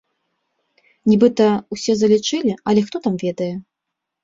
Нібыта, ўсё залічылі, але хто там ведае!